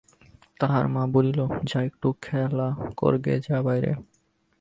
তাহার মা বলিল, যা একটু খেলা করগে যা বাইরে।